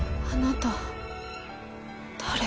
あなた誰？